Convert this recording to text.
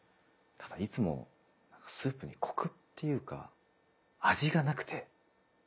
ただいつもスープにコクっていうか味がなくて。